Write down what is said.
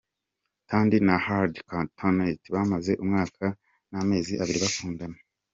Thandi na Hardy Conaté bamaze umwaka n’amezi abiri bakundana.